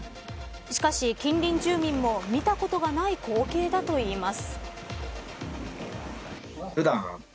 しかし、近隣住民も見たことがない光景だといいます。